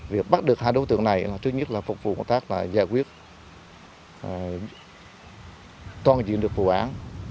việc bắt được hai đối tượng này là thứ nhất là phục vụ công tác là giải quyết toàn diện được vụ án